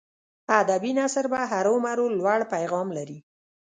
ادبي نثر به هرو مرو لوړ پیغام لري.